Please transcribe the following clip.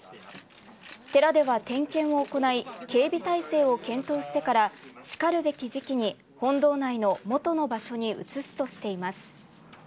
寺では点検を行い警備態勢を検討してからしかるべき時期に本堂内の元の場所に移すとしています。